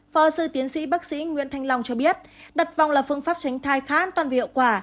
phó sư tiến sĩ bác sĩ nguyễn thanh long cho biết đặt vòng là phương pháp tránh thai khá an toàn và hiệu quả